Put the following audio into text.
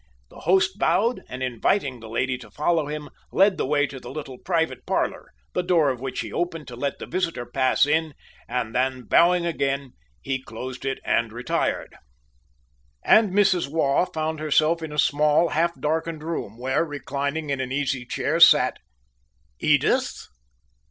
The host bowed, and inviting the lady to follow him, led the way to the little private parlor, the door of which he opened to let the visitor pass in, and then bowing again, he closed it and retired. And Mrs. Waugh found herself in a small, half darkened room, where, reclining in an easy chair, sat Edith?